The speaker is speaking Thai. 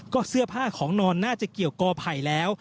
ก็เสื้อผ้าของนอนน่าจะเกี่ยวกอไผ่แล้ว